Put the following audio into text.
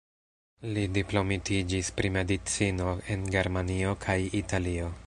Li diplomitiĝis pri medicino en Germanio kaj Italio.